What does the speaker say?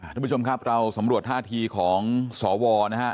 ทุกผู้ชมครับเราสำรวจท่าทีของสวนะฮะ